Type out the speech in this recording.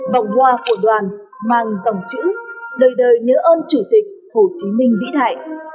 vòng hoa của đoàn mang dòng chữ đời đời nhớ ơn chủ tịch hồ chí minh vĩ đại